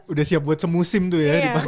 udah siap buat semusim tuh ya